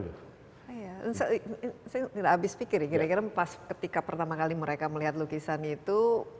iya saya tidak habis pikir ya kira kira pas ketika pertama kali mereka melihat lukisan itu